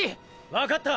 わかった！